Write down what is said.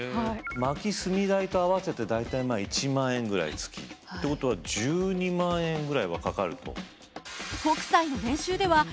薪・炭代と合わせて大体１万円ぐらい月。ってことは１２万円ぐらいはかかると。